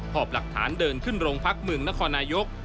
อบหลักฐานเดินขึ้นโรงพักเมืองนครนายก